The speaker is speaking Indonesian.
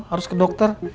harus ke dokter